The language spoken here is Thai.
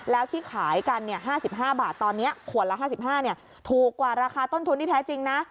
แล้วที่ขายกัน๕๕บาทตอนนี้ขวดละ๕๕ถูกกว่าราคาต้นทุนที่แท้จริงนะ